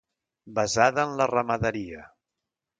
Basada en la ramaderia.